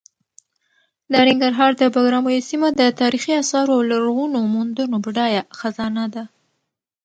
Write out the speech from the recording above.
د ننګرهار د بګراميو سیمه د تاریخي اثارو او لرغونو موندنو بډایه خزانه ده.